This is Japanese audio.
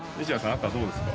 赤どうですか？